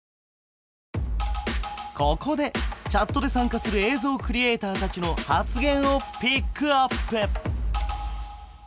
ここでチャットで参加する映像クリエイターたちの発言をピックアップ！